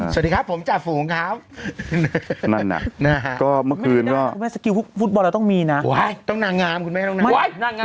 สวัสดีครับผมจ่าฝูงครับนั่นนะก็เมื่อคืนก็ไม่ได้นะคุณแม่สกิลฟุตบอลเราต้องมีนะต้องนางงามคุณแม่ต้องนางงาม